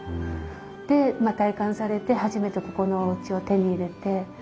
でまあ退官されて初めてここのおうちを手に入れて。